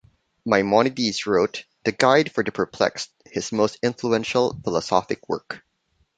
Maimonides wrote "The Guide for the Perplexed" - his most influential philosophic work.